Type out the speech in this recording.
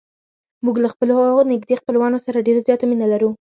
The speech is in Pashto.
موږ له خپلو نږدې خپلوانو سره ډېره زیاته مینه لرو.